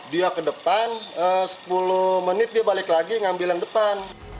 dia ke depan sepuluh menit dia balik lagi ngambil yang depan